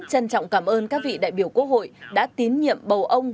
trân trọng cảm ơn các vị đại biểu quốc hội đã tín nhiệm bầu ông